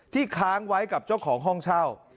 ค้างไว้กับเจ้าของห้องเช่า